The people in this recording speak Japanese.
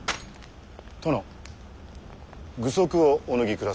殿具足をお脱ぎくだされ。